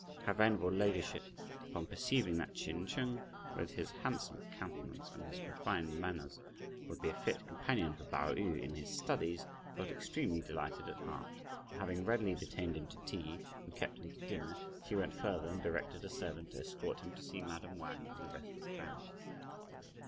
Her venerable ladyship upon perceiving that Ch'in Chung, with his handsome countenance, and his refined manners, would be a fit companion for Pao yü in his studies, felt extremely delighted at heart; and having readily detained him to tea, and kept him to dinner, she went further and directed a servant to escort him to see madame Wang and the rest of the family.